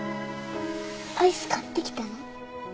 アイス買ってきたの？